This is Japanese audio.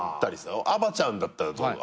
あばちゃんだったらどう？